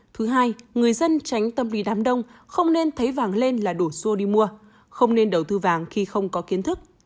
thứ hai người dân tránh tâm lý đám đông không nên thấy vàng lên là đổ xô đi mua không nên đầu tư vàng khi không có kiến thức